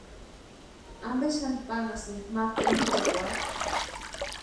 ¿Ampe xani panhasïki ma tempuchakwarhu?